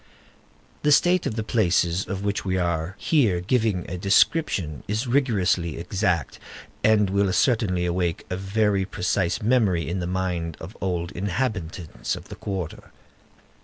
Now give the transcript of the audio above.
The state of the places of which we are here giving a description is rigorously exact, and will certainly awaken a very precise memory in the mind of old inhabitants of the quarter.